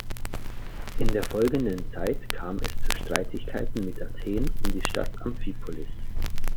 In der folgenden Zeit kam es zu Streitigkeiten mit Athen um die Stadt Amphipolis.